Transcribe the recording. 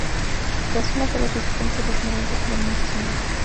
Tras una feroz resistencia, la ""Esmeralda"" finalmente es hundida.